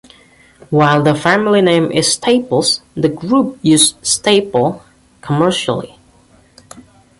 While the family name is Staples, the group used "Staple" commercially.